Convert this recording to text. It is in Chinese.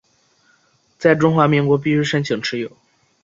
在中华民国必须申请持有。